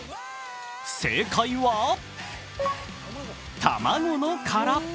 正解は、卵の殻。